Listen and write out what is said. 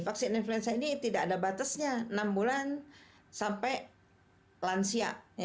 vaksin influenza ini tidak ada batasnya enam bulan sampai lansia